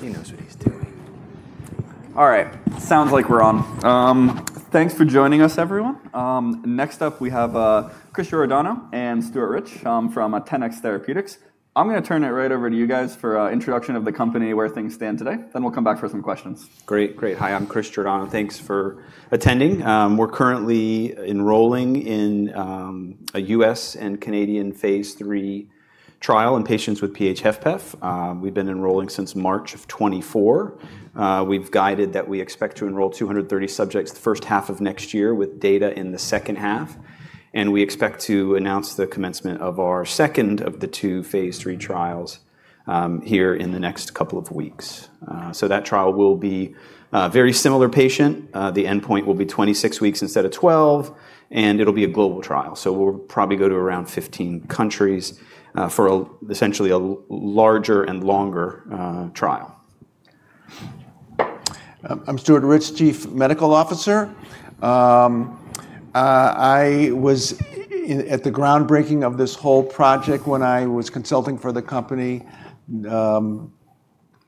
Next up, we have Chris Giordano and Stuart Rich from Tenax Therapeutics. I'm going to turn it right over to you guys for an introduction of the company, where things stand today. Then we'll come back for some questions. Great, great. Hi, I'm Chris Giordano. Thanks for attending. We're currently enrolling in a U.S. and Canadian phase III trial in patients with PH-HFpEF. We've been enrolling since March of 2024. We've guided that we expect to enroll 230 subjects the first half of next year with data in the second half. And we expect to announce the commencement of our second of the two phase III trials here in the next couple of weeks. So that trial will be a very similar patient. The endpoint will be 26 weeks instead of 12, and it'll be a global trial. So we'll probably go to around 15 countries for essentially a larger and longer trial. I'm Stuart Rich, Chief Medical Officer. I was at the groundbreaking of this whole project when I was consulting for the company,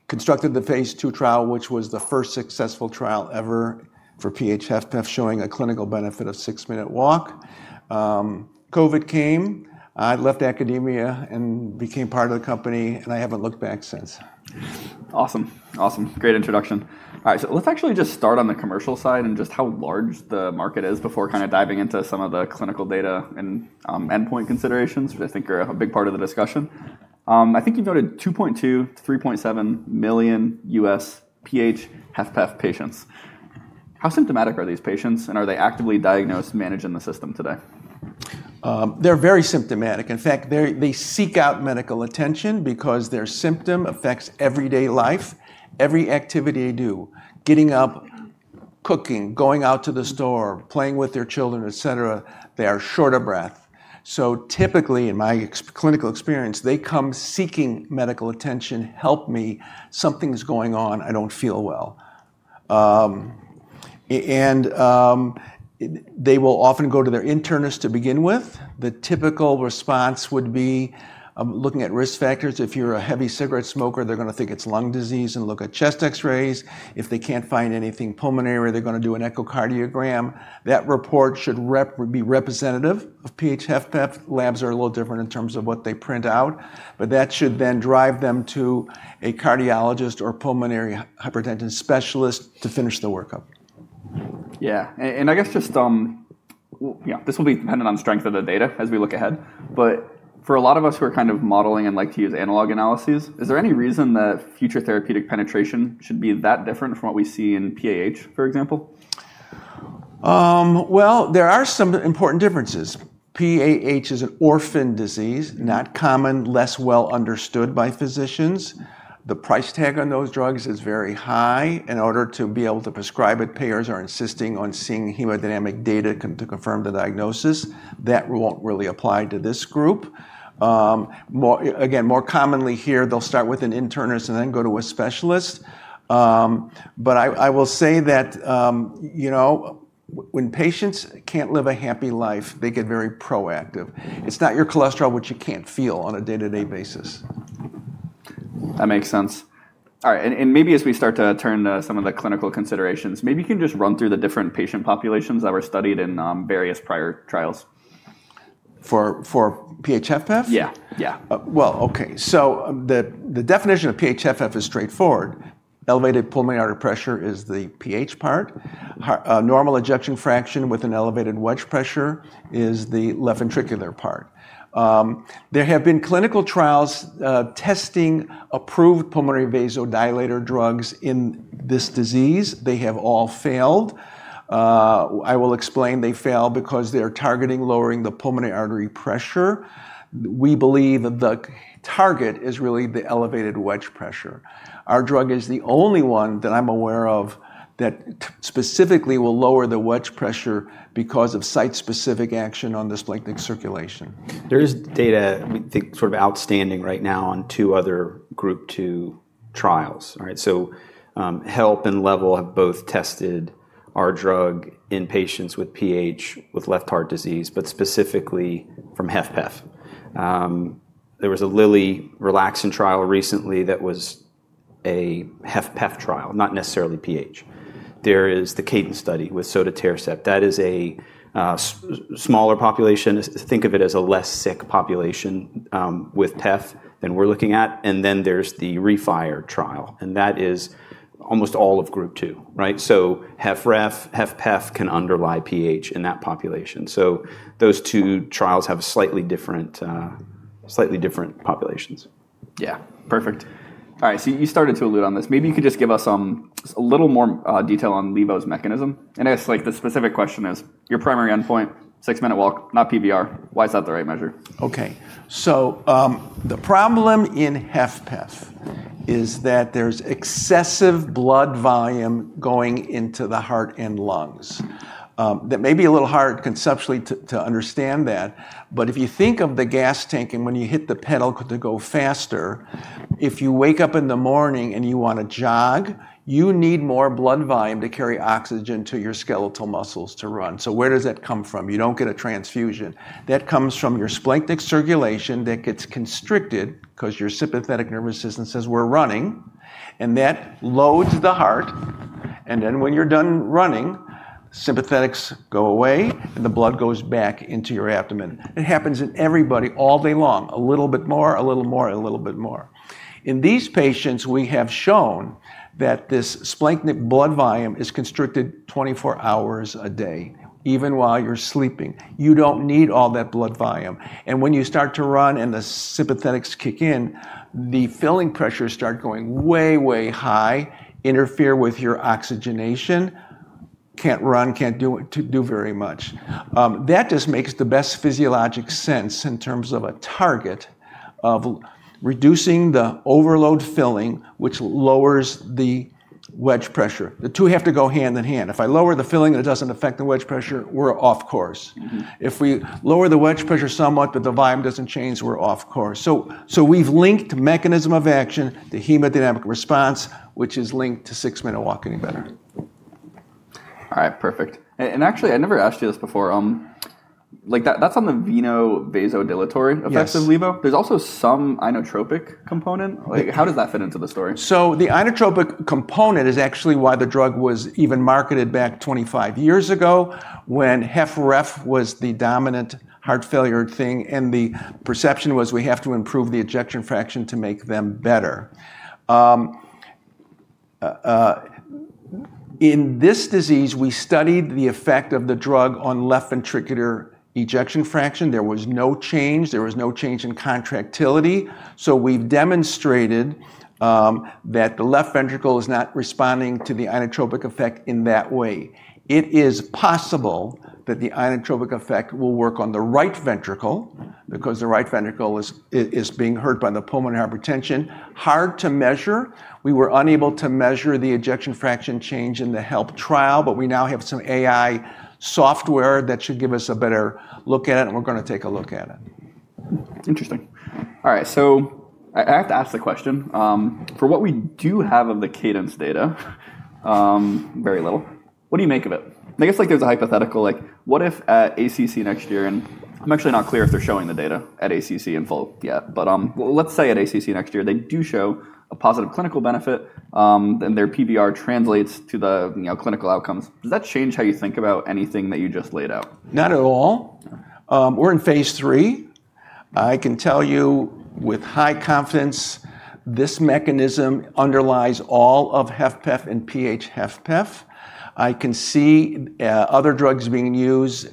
constructed the phase II trial, which was the first successful trial ever for PH-HFpEF showing a clinical benefit of six-minute walk. COVID came. I left academia and became part of the company, and I haven't looked back since. Awesome, awesome. Great introduction. All right, so let's actually just start on the commercial side and just how large the market is before kind of diving into some of the clinical data and endpoint considerations, which I think are a big part of the discussion. I think you've noted 2.2 to 3.7 million U.S. PH-HFpEF patients. How symptomatic are these patients, and are they actively diagnosed and managed in the system today? They're very symptomatic. In fact, they seek out medical attention because their symptom affects everyday life, every activity they do. Getting up, cooking, going out to the store, playing with their children, et cetera, they are short of breath. So typically, in my clinical experience, they come seeking medical attention, "Help me, something's going on. I don't feel well," and they will often go to their internist to begin with. The typical response would be looking at risk factors. If you're a heavy cigarette smoker, they're going to think it's lung disease and look at chest X-rays. If they can't find anything pulmonary, they're going to do an echocardiogram. That report should be representative of PH-HFpEF. Labs are a little different in terms of what they print out, but that should then drive them to a cardiologist or pulmonary hypertension specialist to finish the workup. Yeah, and I guess just this will be dependent on strength of the data as we look ahead. But for a lot of us who are kind of modeling and like to use analog analyses, is there any reason that future therapeutic penetration should be that different from what we see in PAH, for example? There are some important differences. PAH is an orphan disease, not common, less well understood by physicians. The price tag on those drugs is very high. In order to be able to prescribe it, payers are insisting on seeing hemodynamic data to confirm the diagnosis. That won't really apply to this group. Again, more commonly here, they'll start with an internist and then go to a specialist. I will say that when patients can't live a happy life, they get very proactive. It's not your cholesterol, which you can't feel on a day-to-day basis. That makes sense. All right, and maybe as we start to turn to some of the clinical considerations, maybe you can just run through the different patient populations that were studied in various prior trials. For PH-HFpEF? Yeah, yeah. The definition of PH-HFpEF is straightforward. Elevated pulmonary artery pressure is the PH part. Normal ejection fraction with an elevated wedge pressure is the left ventricular part. There have been clinical trials testing approved pulmonary vasodilator drugs in this disease. They have all failed. I will explain they fail because they are targeting lowering the pulmonary artery pressure. We believe that the target is really the elevated wedge pressure. Our drug is the only one that I'm aware of that specifically will lower the wedge pressure because of site-specific action on the splenic circulation. There is data we think sort of outstanding right now on two other Group 2 trials. So HELP and LEVEL have both tested our drug in patients with PH with left heart disease, but specifically from HFpEF. There was a Lilly relaxin trial recently that was a HFpEF trial, not necessarily PH. There is the CADENCE study with sotatercept. That is a smaller population. Think of it as a less sick population with pEF than we're looking at. And then there's the REFIRE trial, and that is almost all of Group 2. So HFpEF can underlie PH in that population. So those two trials have slightly different populations. Yeah, perfect. All right, so you started to allude on this. Maybe you could just give us a little more detail on levo's mechanism. And I guess the specific question is your primary endpoint, six-minute walk, not PVR. Why is that the right measure? Okay, so the problem in HFpEF is that there's excessive blood volume going into the heart and lungs. That may be a little hard conceptually to understand that, but if you think of the gas tank and when you hit the pedal to go faster, if you wake up in the morning and you want to jog, you need more blood volume to carry oxygen to your skeletal muscles to run. So where does that come from? You don't get a transfusion. That comes from your splenic circulation that gets constricted because your sympathetic nervous system says, "We're running," and that loads the heart. And then when you're done running, sympathetics go away and the blood goes back into your abdomen. It happens in everybody all day long, a little bit more, a little more, a little bit more. In these patients, we have shown that this splenic blood volume is constricted 24 hours a day, even while you're sleeping. You don't need all that blood volume. And when you start to run and the sympathetics kick in, the filling pressures start going way, way high, interfere with your oxygenation, can't run, can't do very much. That just makes the best physiologic sense in terms of a target of reducing the overload filling, which lowers the wedge pressure. The two have to go hand in hand. If I lower the filling, it doesn't affect the wedge pressure, we're off course. If we lower the wedge pressure somewhat, but the volume doesn't change, we're off course. So we've linked mechanism of action to hemodynamic response, which is linked to six-minute walking better. All right, perfect. And actually, I never asked you this before. That's on the venodilatory/vasodilatory effects of levo. There's also some inotropic component. How does that fit into the story? So the inotropic component is actually why the drug was even marketed back 25 years ago when HFrEF was the dominant heart failure thing, and the perception was we have to improve the ejection fraction to make them better. In this disease, we studied the effect of the drug on left ventricular ejection fraction. There was no change. There was no change in contractility. So we've demonstrated that the left ventricle is not responding to the inotropic effect in that way. It is possible that the inotropic effect will work on the right ventricle because the right ventricle is being hurt by the pulmonary hypertension. Hard to measure. We were unable to measure the ejection fraction change in the HELP trial, but we now have some AI software that should give us a better look at it, and we're going to take a look at it. Interesting. All right, so I have to ask the question. For what we do have of the CADENCE data, very little, what do you make of it? I guess there's a hypothetical, what if at ACC next year, and I'm actually not clear if they're showing the data at ACC in full yet, but let's say at ACC next year, they do show a positive clinical benefit, then their PVR translates to the clinical outcomes. Does that change how you think about anything that you just laid out? Not at all. We're in phase III. I can tell you with high confidence this mechanism underlies all of HFpEF and PH-HFpEF. I can see other drugs being used,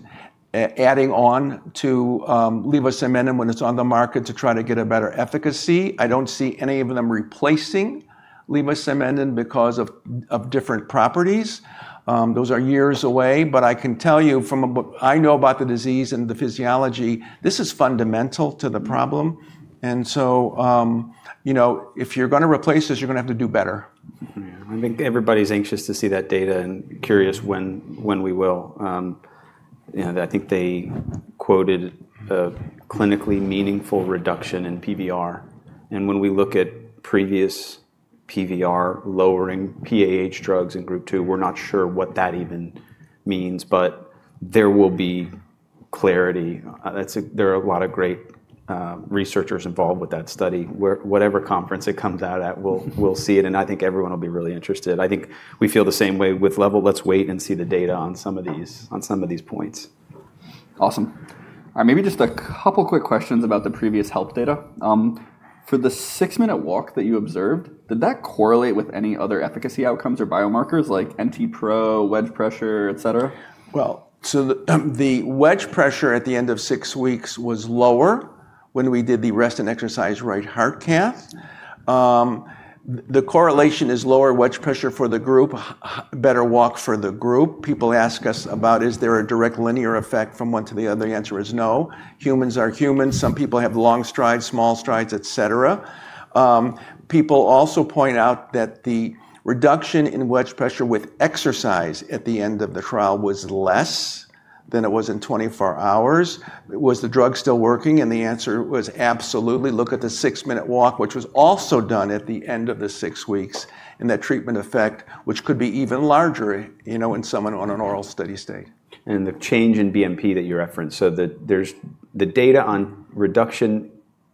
adding on to levosimendan when it's on the market to try to get a better efficacy. I don't see any of them replacing levosimendan because of different properties. Those are years away, but I can tell you from what I know about the disease and the physiology, this is fundamental to the problem. So if you're going to replace this, you're going to have to do better. I think everybody's anxious to see that data and curious when we will. I think they quoted a clinically meaningful reduction in PVR. And when we look at previous PVR lowering PAH drugs in group two, we're not sure what that even means, but there will be clarity. There are a lot of great researchers involved with that study. Whatever conference it comes out at, we'll see it, and I think everyone will be really interested. I think we feel the same way with levo. Let's wait and see the data on some of these points. Awesome. All right, maybe just a couple of quick questions about the previous HELP data. For the six-minute walk that you observed, did that correlate with any other efficacy outcomes or biomarkers like NT-pro, wedge pressure, et cetera? The wedge pressure at the end of six weeks was lower when we did the rest and exercise right heart cath. The correlation is lower wedge pressure for the group, better walk for the group. People ask us about is there a direct linear effect from one to the other. The answer is no. Humans are humans. Some people have long strides, small strides, et cetera. People also point out that the reduction in wedge pressure with exercise at the end of the trial was less than it was in 24 hours. Was the drug still working? The answer was absolutely. Look at the six-minute walk, which was also done at the end of the six weeks, and that treatment effect, which could be even larger in someone on an oral steady state. The change in BNP that you referenced, so the data on reduction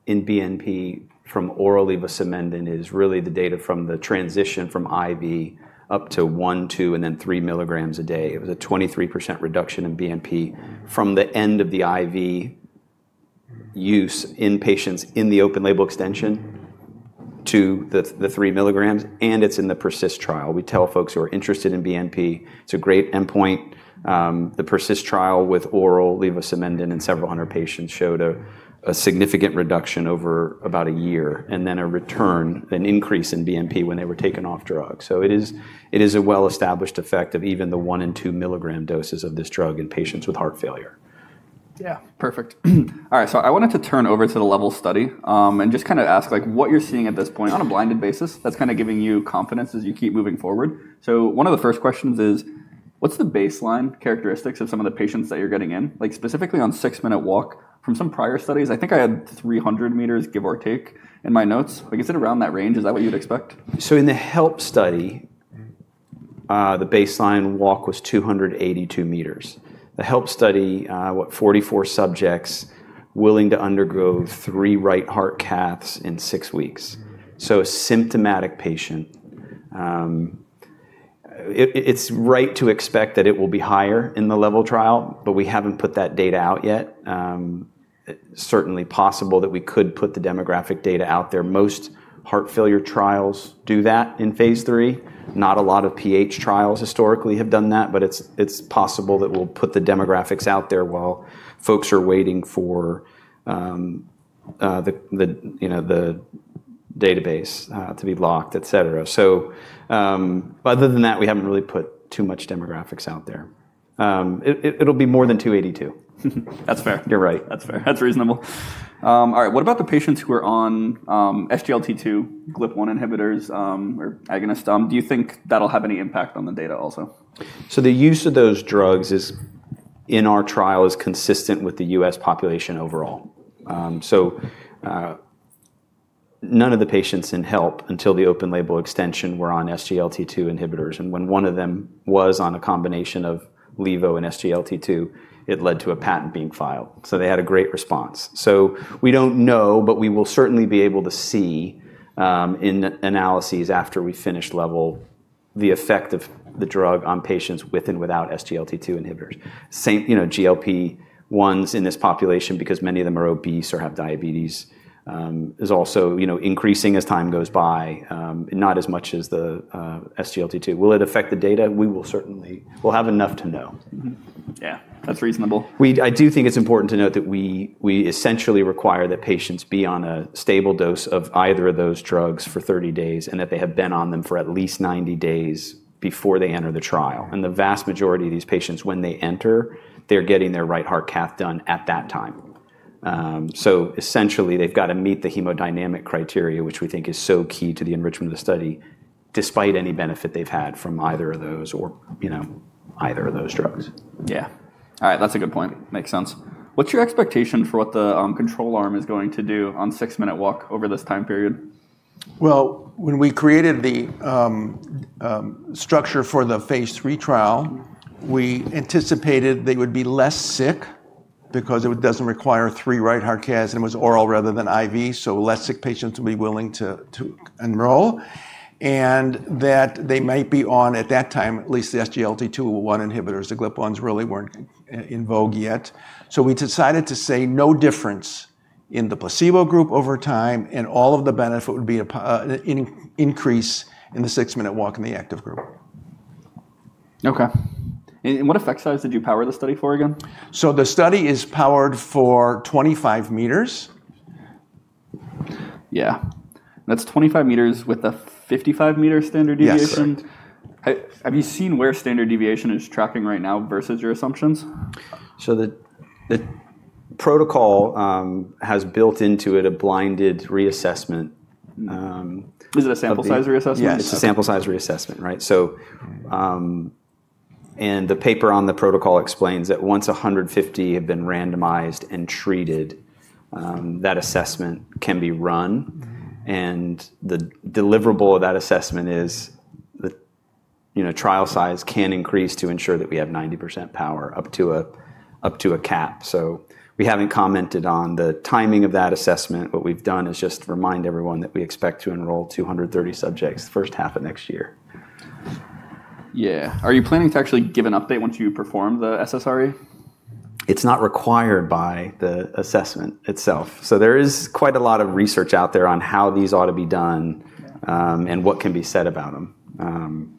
in BNP from oral levosimendan is really the data from the transition from IV up to one, two, and then three milligrams a day. It was a 23% reduction in BNP from the end of the IV use in patients in the open label extension to the three milligrams, and it's in the PRECIS trial. We tell folks who are interested in BNP, it's a great endpoint. The PRECIS trial with oral levosimendan in several hundred patients showed a significant reduction over about a year and then a return, an increase in BNP when they were taken off drug. So it is a well-established effect of even the one and two milligram doses of this drug in patients with heart failure. Yeah, perfect. All right, so I wanted to turn over to the LEVEL study and just kind of ask what you're seeing at this point on a blinded basis that's kind of giving you confidence as you keep moving forward. So one of the first questions is, what's the baseline characteristics of some of the patients that you're getting in, specifically on six-minute walk from some prior studies? I think I had 300 meters, give or take, in my notes. Is it around that range? Is that what you'd expect? In the HELP study, the baseline walk was 282 meters. The HELP study, 44 subjects willing to undergo three right heart caths in six weeks, so a symptomatic patient. It's right to expect that it will be higher in the LEVEL trial, but we haven't put that data out yet. Certainly possible that we could put the demographic data out there. Most heart failure trials do that in phase III. Not a lot of PH trials historically have done that, but it's possible that we'll put the demographics out there while folks are waiting for the database to be locked, et cetera. Other than that, we haven't really put too much demographics out there. It'll be more than 282. That's fair. You're right. That's fair. That's reasonable. All right, what about the patients who are on SGLT2 GLP-1 inhibitors or agonists? Do you think that'll have any impact on the data also? So the use of those drugs in our trial is consistent with the U.S. population overall. So none of the patients in HELP until the open label extension were on SGLT2 inhibitors. And when one of them was on a combination of levo and SGLT2, it led to a patent being filed. So they had a great response. So we don't know, but we will certainly be able to see in analyses after we finish LEVEL the effect of the drug on patients with and without SGLT2 inhibitors. GLP-1s in this population, because many of them are obese or have diabetes, is also increasing as time goes by, not as much as the SGLT2. Will it affect the data? We will certainly have enough to know. Yeah, that's reasonable. I do think it's important to note that we essentially require that patients be on a stable dose of either of those drugs for 30 days and that they have been on them for at least 90 days before they enter the trial, and the vast majority of these patients, when they enter, they're getting their right heart cath done at that time, so essentially, they've got to meet the hemodynamic criteria, which we think is so key to the enrichment of the study, despite any benefit they've had from either of those or either of those drugs. Yeah. All right, that's a good point. Makes sense. What's your expectation for what the control arm is going to do on six-minute walk over this time period? When we created the structure for the phase III trial, we anticipated they would be less sick because it doesn't require three right heart caths and it was oral rather than IV, so less sick patients will be willing to enroll, and that they might be on at that time, at least the SGLT2 inhibitors. The GLP-1s really weren't in vogue yet. So we decided to say no difference in the placebo group over time, and all of the benefit would be an increase in the six-minute walk in the active group. Okay. And what effect size did you power the study for again? So the study is powered for 25 meters. Yeah. That's 25 meters with a 55-meter standard deviation. Have you seen where standard deviation is tracking right now versus your assumptions? So the protocol has built into it a blinded reassessment. Is it a sample size reassessment? Yeah, it's a sample size reassessment, right? And the paper on the protocol explains that once 150 have been randomized and treated, that assessment can be run. And the deliverable of that assessment is the trial size can increase to ensure that we have 90% power up to a cap. So we haven't commented on the timing of that assessment. What we've done is just remind everyone that we expect to enroll 230 subjects the first half of next year. Yeah. Are you planning to actually give an update once you perform the SSRE? It's not required by the assessment itself. So there is quite a lot of research out there on how these ought to be done and what can be said about them.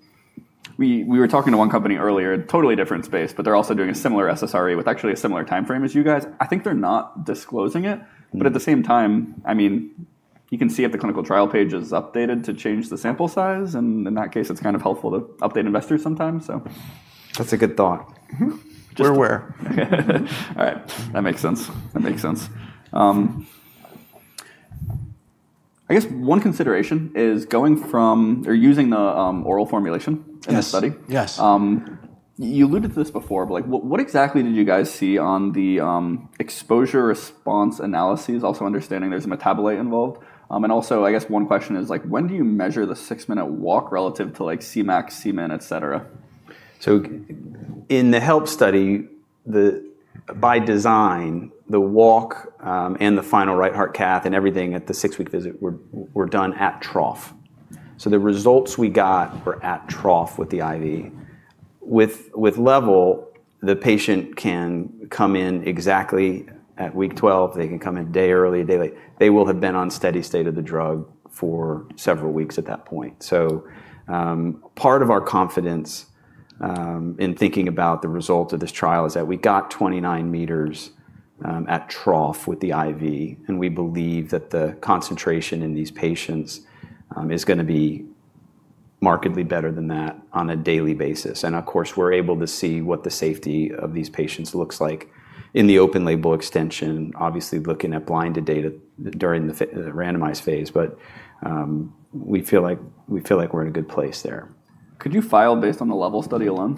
We were talking to one company earlier, totally different space, but they're also doing a similar SSRE with actually a similar time frame as you guys. I think they're not disclosing it, but at the same time, I mean, you can see if the clinical trial page is updated to change the sample size. And in that case, it's kind of helpful to update investors sometimes, so. That's a good thought. We're aware. All right. That makes sense. That makes sense. I guess one consideration is going from or using the oral formulation in the study. Yes. You alluded to this before, but what exactly did you guys see on the exposure response analyses, also understanding there's a metabolite involved? And also, I guess one question is, when do you measure the six-minute walk relative to Cmax, Cmin, et cetera? In the HELP study, by design, the walk and the final right heart cath and everything at the six-week visit were done at trough. The results we got were at trough with the IV. With LEVEL, the patient can come in exactly at week 12. They can come in day early, day late. They will have been on steady state of the drug for several weeks at that point. Part of our confidence in thinking about the result of this trial is that we got 29 meters at trough with the IV, and we believe that the concentration in these patients is going to be markedly better than that on a daily basis. Of course, we're able to see what the safety of these patients looks like in the open label extension, obviously looking at blinded data during the randomized phase, but we feel like we're in a good place there. Could you file based on the LEVEL study alone?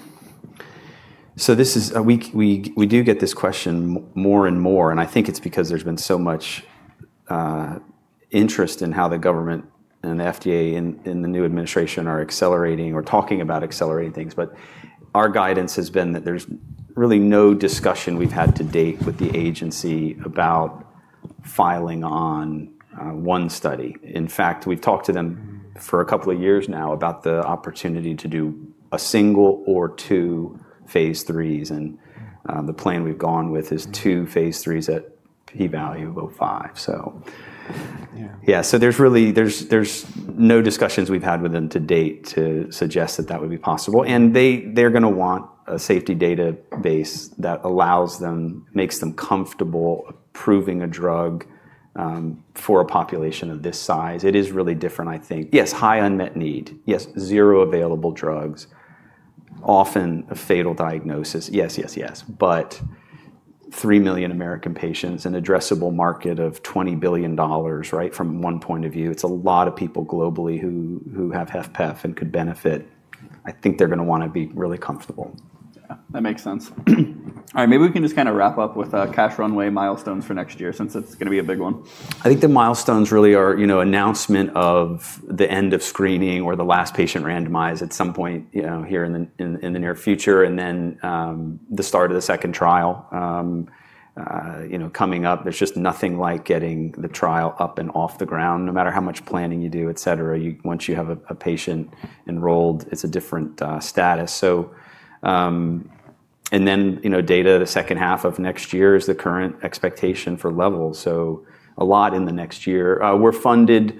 So we do get this question more and more, and I think it's because there's been so much interest in how the government and the FDA and the new administration are accelerating or talking about accelerating things. But our guidance has been that there's really no discussion we've had to date with the agency about filing on one study. In fact, we've talked to them for a couple of years now about the opportunity to do a single or two phase III. And the plan we've gone with is two phase III at p-value of 0.5. So yeah, so there's really no discussions we've had with them to date to suggest that that would be possible. And they're going to want a safety database that allows them, makes them comfortable approving a drug for a population of this size. It is really different, I think. Yes, high unmet need. Yes, zero available drugs. Often a fatal diagnosis. Yes, yes, yes. But three million American patients, an addressable market of $20 billion, right, from one point of view, it's a lot of people globally who have HFpEF and could benefit. I think they're going to want to be really comfortable. That makes sense. All right, maybe we can just kind of wrap up with cash runway milestones for next year since it's going to be a big one. I think the milestones really are announcement of the end of screening or the last patient randomized at some point here in the near future, and then the start of the second trial coming up. There's just nothing like getting the trial up and off the ground, no matter how much planning you do, et cetera. Once you have a patient enrolled, it's a different status. And then data, the second half of next year is the current expectation for LEVEL. So a lot in the next year. We're funded,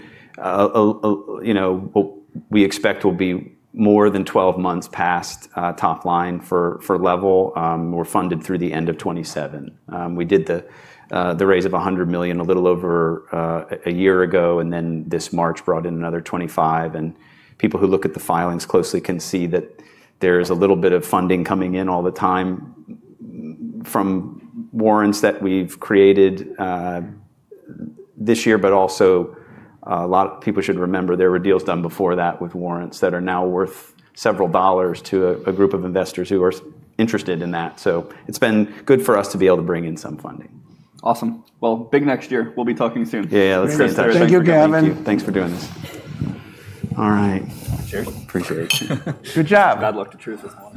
we expect we'll be more than 12 months past top line for LEVEL. We're funded through the end of 2027. We did the raise of $100 million a little over a year ago, and then this March brought in another $25 million. And people who look at the filings closely can see that there is a little bit of funding coming in all the time from warrants that we've created this year, but also a lot of people should remember there were deals done before that with warrants that are now worth several dollars to a group of investors who are interested in that. So it's been good for us to be able to bring in some funding. Awesome. Well, big next year. We'll be talking soon. Yeah, let's get that. Thank you, Gavin. Thanks for doing this. All right. Cheers. Appreciate it. Good job. Good luck to truth as well.